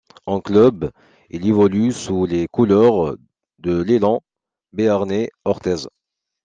En club, il évolue sous les couleurs de l'Élan béarnais Orthez.